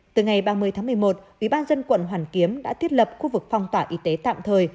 từ ngày ba mươi tháng một mươi một ủy ban dân quận hoàn kiếm đã thiết lập khu vực phong tỏa y tế tạm thời